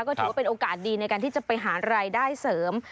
ก็ถือว่าเป็นโอกาสดีในการที่จะไปหารายได้เสริม